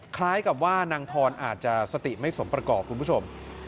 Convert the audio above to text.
คล้ายกับว่านางทรอาจจะสติไม่สมประกอบคุณผู้ชม